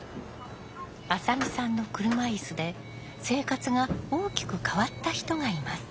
浅見さんの車いすで生活が大きく変わった人がいます。